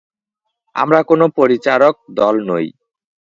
আমরা কোনো পরিচারক দল নই।